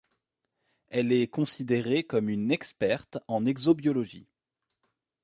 Elle est considérée comme une experte en exobiologie.